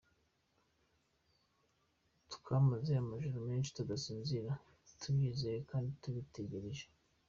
Twamaze amajoro menshi tudasinzira, tubyizeye kandi tubitegereje.